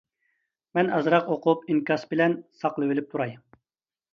مەن ئازراق ئوقۇپ ئىنكاس بىلەن ساقلىۋېلىپ تۇراي.